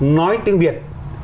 nói tiếng việt